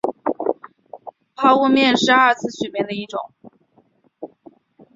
抛物面是二次曲面的一种。